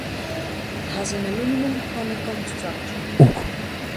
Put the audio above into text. It has an aluminum honeycomb structure.